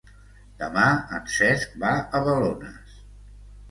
Demà en Cesc va a Balones.